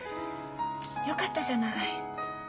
よかったじゃない。